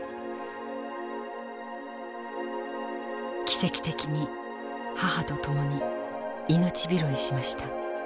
奇跡的に母と共に命拾いしました。